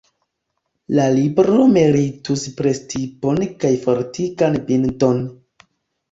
La libro meritus prestipon kaj fortikan bindon.